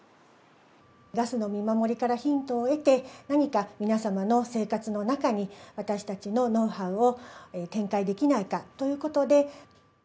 ガスの見守りからヒントを得て、何か皆様の生活の中に、私たちのノウハウを展開できないかということで。